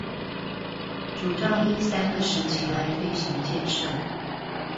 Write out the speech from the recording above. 主張依三個時期來推行建設